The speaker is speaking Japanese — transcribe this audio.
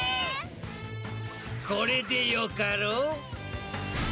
これでよかろう？